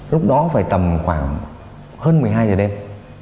lúc đó phải tầm khoảng hơn một mươi hai giờ đêm